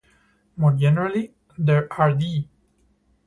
More generally, there are d!